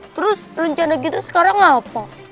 terus rencana kita sekarang apa